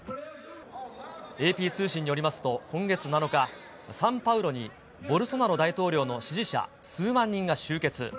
ＡＰ通信によりますと、今月７日、サンパウロにボルソナロ大統領の支持者数万人が集結。